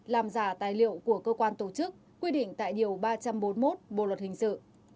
làm giả tài liệu của cơ quan tổ chức quy định tại điều ba trăm bốn mươi một bộ luật hình sự